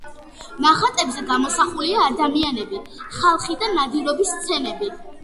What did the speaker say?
ნახატებზე გამოსახულია ადამიანები, ხალხი და ნადირობის სცენები.